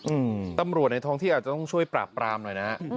อืมตำรวจในท้องที่อาจจะต้องช่วยปราบปรามหน่อยนะฮะ